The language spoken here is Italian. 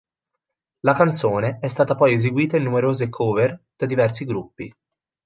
La canzone è stata poi eseguita in numerose "cover" da diversi gruppi.